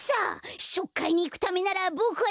ししょくかいにいくためならボクは